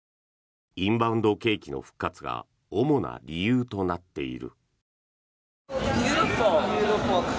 インバウンド景気の復活が主な理由となっている。